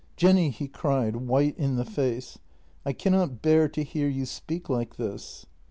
" Jenny," he cried, white in the face, " I cannot bear to hear you speak like this!